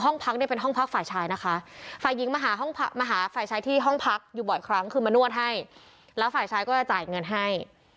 ห้องพักเนี่ยเป็นห้องพักฝ่ายชายนะคะฝ่ายหญิงมาหาห้องมาหาฝ่ายชายที่ห้องพักอยู่บ่อยครั้งคือมานวดให้แล้วฝ่ายชายก็จะจ่ายเงินให้